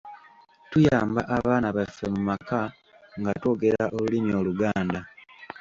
Tuyamba abaana baffe mu maka nga twogera olulimi Oluganda